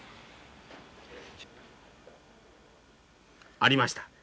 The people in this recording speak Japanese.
ありました。